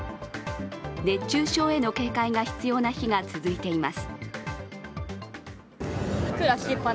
熱中症への警戒が必要な日が続いています。